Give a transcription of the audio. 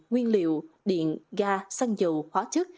nguyên liệu điện ga xăng dầu hóa chất